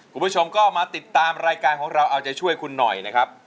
คุณผู้ชมก็มาติดตามรายการของเราเอาใจช่วยคุณหน่อยนะครับ